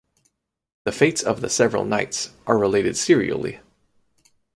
The fates of the several knights are related serially.